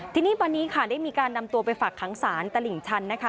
ทีนี้วันนี้ค่ะได้มีการนำตัวไปฝากขังศาลตลิ่งชันนะคะ